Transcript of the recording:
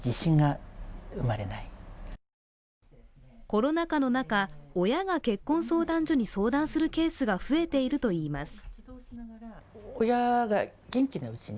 コロナ禍の中、親が結婚相談所に相談するケースが増えているといいます。